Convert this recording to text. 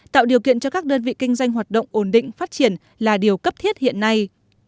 tạo điều kiện cho các đơn vị kinh doanh hoạt động ổn định phát triển là điều cấp thiết hiện nay